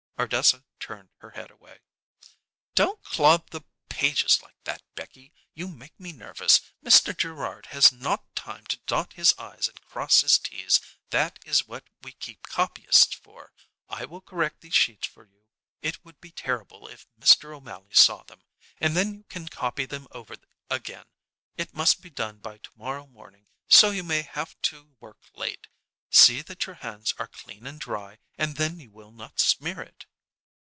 Ardessa turned her head away. "Don't claw the pages like that, Becky. You make me nervous. Mr. Gerrard has not time to dot his i's and cross his t's. That is what we keep copyists for. I will correct these sheets for you, it would be terrible if Mr. O'Mally saw them, and then you can copy them over again. It must be done by to morrow morning, so you may have to work late. See that your hands are clean and dry, and then you will not smear it."